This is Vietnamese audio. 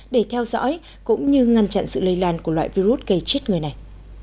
để theo dõi cũng như ngăn chặn sự lây lan của loại virus gây chết người này